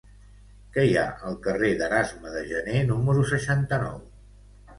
Què hi ha al carrer d'Erasme de Janer número seixanta-nou?